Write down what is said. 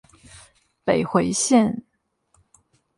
北迴線